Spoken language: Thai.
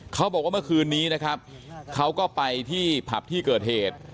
เขาบอกว่าเมื่อคืนนี้นะครับเขาก็ไปที่ผับที่เกิดเหตุ